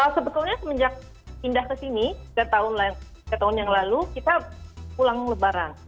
sebetulnya semenjak pindah ke sini ke tahun yang lalu kita pulang lebaran